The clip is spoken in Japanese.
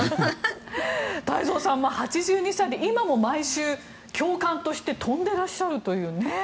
太蔵さん、８２歳で今も毎週、教官として飛んでらっしゃるというね。